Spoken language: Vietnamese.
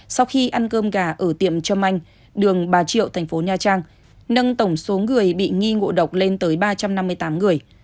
sau khi ăn cơm gà ở tiệm trâm anh đường bà triệu thành phố nha trang nâng tổng số người bị nghi ngộ độc lên tới ba trăm năm mươi tám người